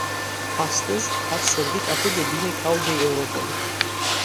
Astăzi ați servit atât de bine cauzei europene!